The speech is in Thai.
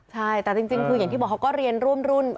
ใช่แต่จริงคืออย่างที่บอกเขาก็เรียนร่วมรุ่น